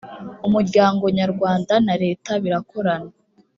umuryango nyarwanda na leta birakorana